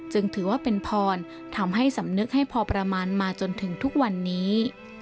ถือว่าเป็นพรทำให้สำนึกให้พอประมาณมาจนถึงทุกวันนี้